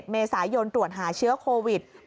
เมษายนตรวจหาเชื้อโควิด